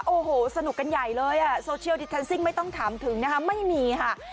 โอ้โหสนุกกันใหญ่เลยอ่ะโซเชียลดิทันซิ่งไม่ต้องถามถึงนะคะไม่มีค่ะ